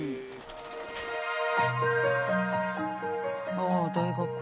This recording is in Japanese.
ああ大学。